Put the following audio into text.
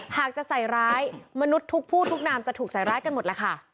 หากจะใส่ร้ายมนุษย์ทุกผู้ทุกนามจะถูกใส่ร้ายกันหมดแล้วค่ะ